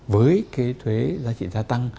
với thuế giá trị gia tăng